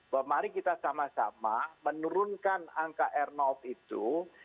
bahwa mari kita sama sama menurunkan angka r itu